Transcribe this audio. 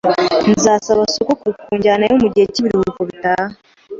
Nzasaba sogokuru kunjyanayo mugihe cyibiruhuko bitaha.